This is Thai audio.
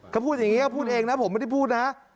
เขาพูดอย่างนี้พูดเองนะผมไม่ได้พูดนะ